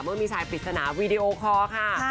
เมื่อมีชายปริศนาวีดีโอคอร์ค่ะ